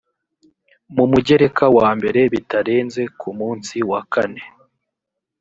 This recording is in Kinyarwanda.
mu mugereka wa mbere bitarenze ku munsi wa kane